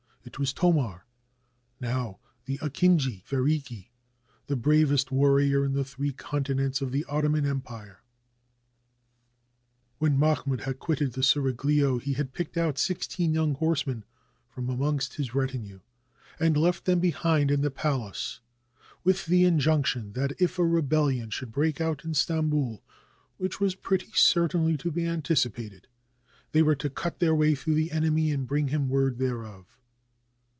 It was Thomar, now the Akinji Feriki, the bravest warrior in the three continents of the Ottoman Empire. When Mahmoud had quitted the seraglio he had picked out sixteen young horsemen from amongst his retinue, and left them behind in the palace, with the in junction that if a rebellion should break out in Stamboul, which was pretty certainly to be anticipated, they were to cut their way through the enemy and bring him word thereof.